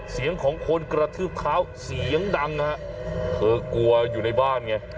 เสียงของคนกระทืบเท้าเสียงดังฮะเธอกลัวอยู่ในบ้านไง